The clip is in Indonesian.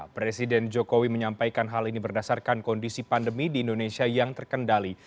presiden jokowi menyampaikan hal ini berdasarkan kondisi pandemi di indonesia yang terkendali